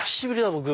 僕。